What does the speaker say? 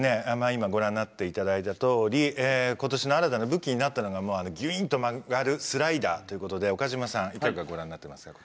今ご覧になっていただいたとおり今年の新たな武器になったのがギュインと曲がるスライダーということで岡島さんいかがご覧になってますか？